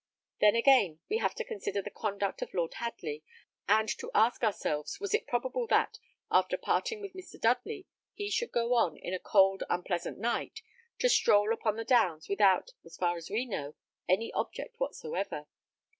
Then, again, we have to consider the conduct of Lord Hadley, and to ask ourselves was it probable that, after parting with Mr. Dudley, he should go on, in a cold unpleasant night, to stroll upon the downs, without, as far as we know, any object whatsoever.